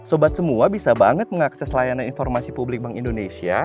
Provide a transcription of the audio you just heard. sobat semua bisa banget mengakses layanan informasi publik bank indonesia